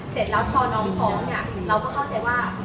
เสร็จแล้วพอน้องฟ้องเนี่ยเราก็เข้าใจว่า